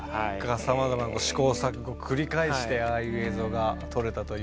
さまざまな試行錯誤を繰り返してああいう映像が撮れたということですけども。